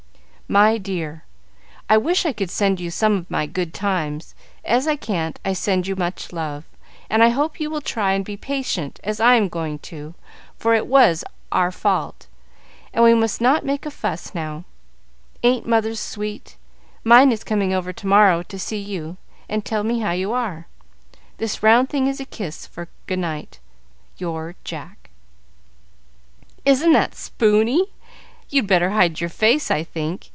"My Dear, I wish I could send you some of my good times. As I can't, I send you much love, and I hope you will try and be patient as I am going to, for it was our fault, and we must not make a fuss now. Ain't mothers sweet? Mine is coming over to morrow to see you and tell me how you are. This round thing is a kiss for good night. "Your Jack" "Isn't that spoony? You'd better hide your face, I think.